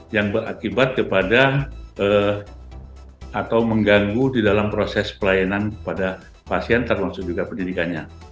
yang berakibat kepada atau mengganggu di dalam proses pelayanan kepada pasien termasuk juga pendidikannya